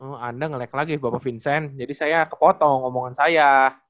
oh anda ngelik lagi bapak vincent jadi saya kepotong omongan saya